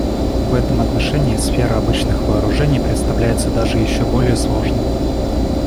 В этом отношении сфера обычных вооружений представляется даже еще более сложной.